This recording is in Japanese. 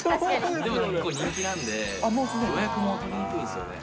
でも結構人気なんで、予約も取りにくいんですよね。